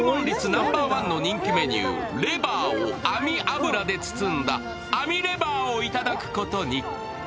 ナンバーワンの人気メニューレバーをあみ脂で包んだあみレバーを頂くことに。